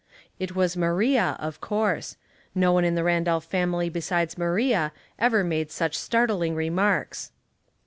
It was Maria, of course ; no one in the Randolph family besides Maria ever made such startling remarks.